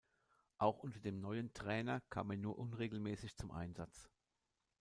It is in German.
Auch unter dem neuen Trainer kam er nur unregelmäßig zum Einsatz.